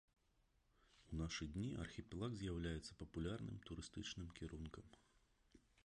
У нашы дні архіпелаг з'яўляецца папулярным турыстычным кірункам.